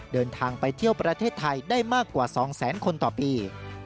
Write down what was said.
เดินทางไปเที่ยวประเทศไทยได้มากกว่า๒แสนคนต่อปี